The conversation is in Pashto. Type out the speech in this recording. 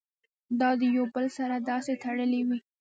دا د يو بل سره داسې تړلي وي